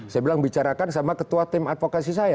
saya bilang bicarakan sama ketua tim advokasi saya